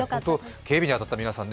警備に当たった皆さん